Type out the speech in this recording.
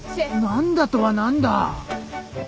何だとは何だ！？